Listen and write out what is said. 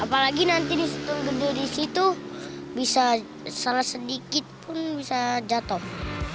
apalagi nanti di situ gede di situ bisa salah sedikit pun bisa jatuh